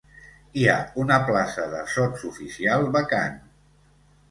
Hi ha una plaça de sotsoficial vacant.